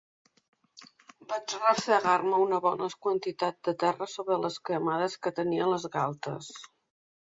Vaig refregar-me una bona quantitat de terra sobre les cremades que tenia a les galtes.